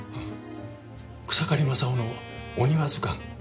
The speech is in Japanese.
「草刈正雄のお庭図鑑」